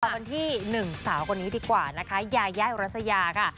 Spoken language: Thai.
กลับมาที่หนึ่งสาวกว่านี้ดีกว่านะคะยายายรัสยาค่ะ